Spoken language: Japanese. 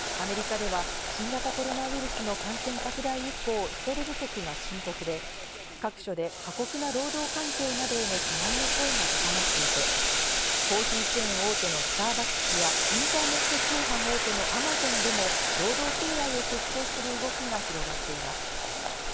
アメリカでは新型コロナウイルスの感染拡大以降、人手不足が深刻で、各所で過酷な労働環境などへの不満の声が高まっていて、コーヒーチェーン大手のスターバックスや、インターネット通販大手のＡｍａｚｏｎでも、労働組合を結成する動きが広がっています。